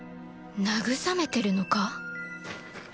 慰めてるのか？